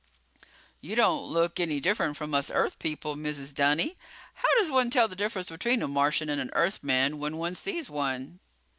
"You don't look any different from us Earth people, Mrs. Dunny. How does one tell the difference between a Martian and an Earthman when one sees one?"